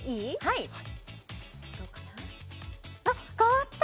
はいあっ変わった！